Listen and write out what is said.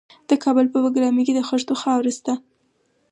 د کابل په بګرامي کې د خښتو خاوره شته.